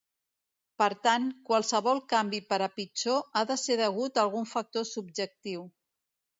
Per tant, qualsevol canvi per a pitjor ha de ser degut a algun factor subjectiu.